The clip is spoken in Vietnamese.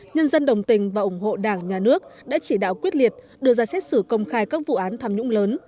nhân dân đồng tình và ủng hộ đảng nhà nước đã chỉ đạo quyết liệt đưa ra xét xử công khai các vụ án tham nhũng lớn